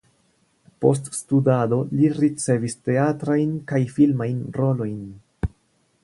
Post studado li ricevis teatrajn kaj filmajn rolojn.